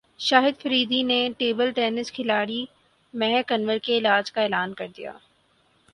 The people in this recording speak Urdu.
شاہد فریدی نے ٹیبل ٹینس کھلاڑی مہک انور کے علاج کا اعلان کردیا